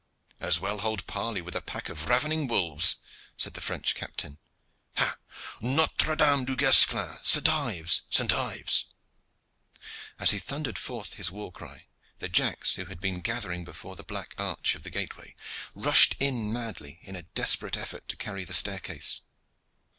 "As well hold parley with a pack of ravening wolves," said the French captain. "Ha! Notre Dame Du Guesclin! Saint Ives! Saint Ives!" As he thundered forth his war cry, the Jacks who had been gathering before the black arch of the gateway rushed in madly in a desperate effort to carry the staircase.